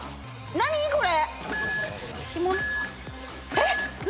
何これ！？